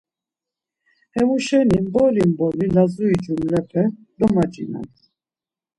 Hemuşeni, mboli mboli Lazuri cumlepe domaç̌inan.